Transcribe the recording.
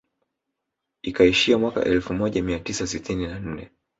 Ikaishia mwaka elfu moja mia tisa sitini na nne